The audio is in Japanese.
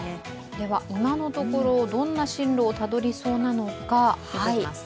では今のところ、どんな進路をたどりそうなのか、見てみます。